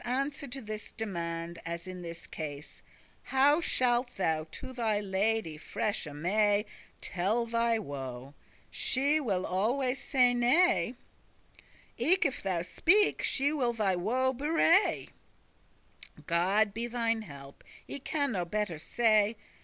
Answer to this demand, as in this case, How shalt thou to thy lady, freshe May, Telle thy woe? She will alway say nay; Eke if thou speak, she will thy woe bewray; * *betray God be thine help, I can no better say.